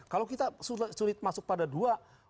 kalau kita sulit masuk pada dua